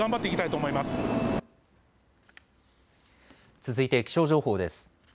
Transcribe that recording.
続いて気象情報です。